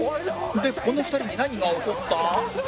でこの２人に何が起こった？